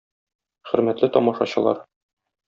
Хөрмәтле тамашачылар!